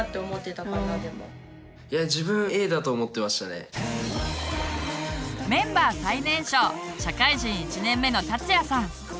いや自分メンバー最年少社会人１年目のたつやさん。